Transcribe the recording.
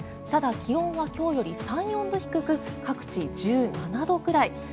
ただ、気温は今日より３４度低く各地、１７度くらい。